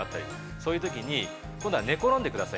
そういうときに寝転んでください。